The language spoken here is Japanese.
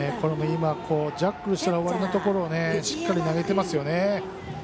今、ジャッグルしたら終わりなところしっかり投げていますよね。